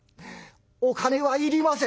お金はいりません」。